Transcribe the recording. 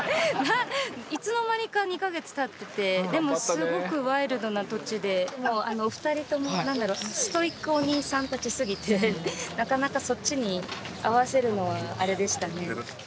いつの間にか２カ月たっててでもすごくワイルドな土地でお二人とも何だろうすぎてなかなかそっちに合わせるのはあれでしたね